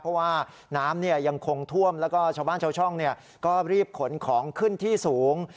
เพราะว่าน้ำยังคงท่วมแล้วก็ชาวบ้านชาวช่องก็รีบขนของขึ้นที่สูง